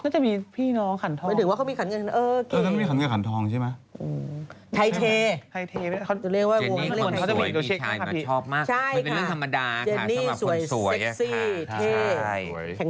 ชายจะชอบมากเป็นเรื่องธรรมดาสำหรับคนสวย